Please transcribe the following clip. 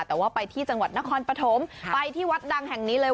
แต่ว่าไปที่จังหวัดนครปฐมไปที่วัดดังแห่งนี้เลย